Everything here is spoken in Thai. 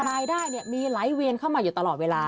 รายได้มีไหลเวียนเข้ามาอยู่ตลอดเวลา